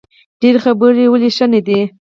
ډیرې خبرې ولې ښې نه دي؟